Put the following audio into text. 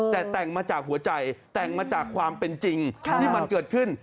แต่แต่งมาจากหัวใจแต่งมาจากความเป็นจริงที่มันเกิดขึ้น